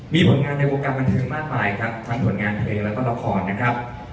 มีผลงานในวงการบันเทิงมากมายครับทั้งผลงานเพลงแล้วก็ละครนะครับ